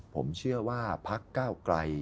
ผมเชื่อว่าพักเก้าไกล